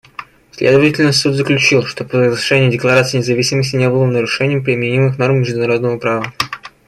Следовательно, Суд заключил, что провозглашение декларации независимости не было нарушением применимых норм международного права.